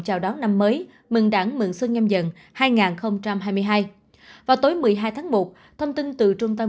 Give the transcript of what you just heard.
chào đón năm mới mừng đảng mừng xuân nhâm dần hai nghìn hai mươi hai vào tối một mươi hai tháng một thông tin từ trung tâm